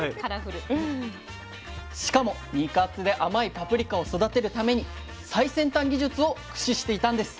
しかも肉厚で甘いパプリカを育てるために最先端技術を駆使していたんです。